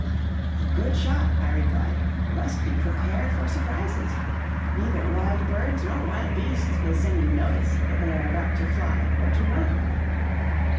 "'A good shot,' I replied, 'must be prepared for surprises; neither wild birds nor wild beasts will send you notice that they are about to fly or to run.'